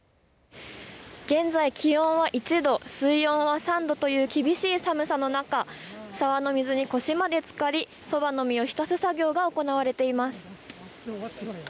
現在気温は１度水温は３度という厳しい寒さの中沢の水で腰までつかりそばの実を浸す作業が行われています。